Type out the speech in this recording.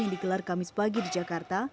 yang digelar kamis pagi di jakarta